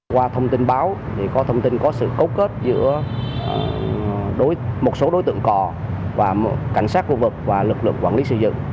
qua thông tin báo có thông tin có sự cấu kết giữa một số đối tượng cò và cảnh sát khu vực và lực lượng quản lý xây dựng